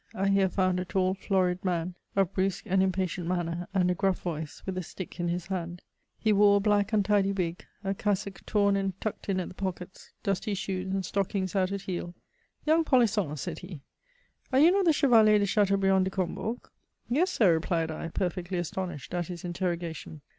I here found a tall, florid man, of brusque and impatient manner, and a gruff voice, with a stick in his hand. He wore & black, untidy wig, a cassock torn and tucked ia at the pockets, dusty shoes, and stockings out at heel: "Young person," said he, *'are you not the Chevalier de Chateau * briand de Combourg ?*''* Yes, Sir," r^Ued I, perfectly" astonished at his interroga tion.